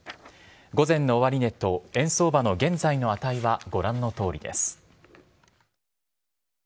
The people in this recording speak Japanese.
午前の終値と円相場の現在の値はご覧のとおりです。